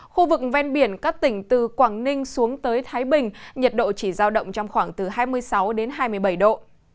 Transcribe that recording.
khu vực ven biển các tỉnh từ quảng ninh xuống tới thái bình nhiệt độ chỉ giao động trong khoảng từ hai mươi sáu đến hai mươi bảy độ